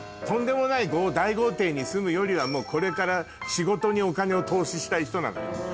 とんでもない大豪邸に住むよりはこれから仕事にお金を投資したい人なのよ。